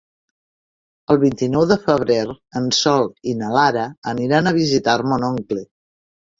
El vint-i-nou de febrer en Sol i na Lara aniran a visitar mon oncle.